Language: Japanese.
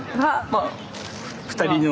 まあ２人の。